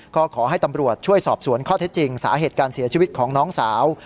ก็ขอให้ตำรวจช่วยสอบสวนข้อเท็จจริงสาเหตุการเสียชีวิตของน้องสาว